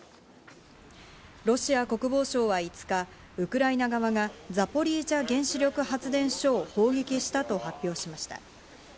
ロシア国防省は５日、ウクライナ側がザポリージャ原子力発電所を砲撃したと発表しました。